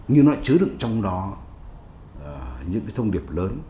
như nó chứa đựng trong đó những cái thông điệp lớn